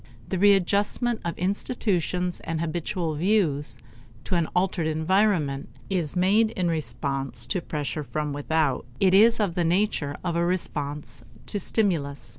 The readjustment of institutions and habitual views to an altered environment is made in response to pressure from without; it is of the nature of a response to stimulus.